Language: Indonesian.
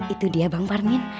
itu dia bang parmin